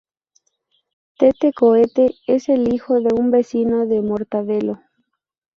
Tete Cohete es el hijo de un vecino de Mortadelo.